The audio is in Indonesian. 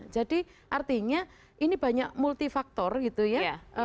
jadi artinya ini banyak multi faktor gitu ya